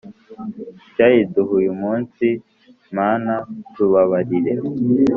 Icyayiduh’ uyu munsi, Mana tubabarire.